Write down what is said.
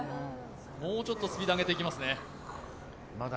もうちょっとスピード上げていきますね。